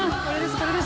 これです。